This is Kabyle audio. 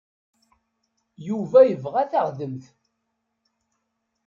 Yuba yebɣa taɣdemt.